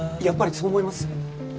やっぱりそう思います？